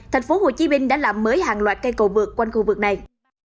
thành phố hồ chí minh đã làm mới hàng loạt cây cầu vượt quanh khu vực này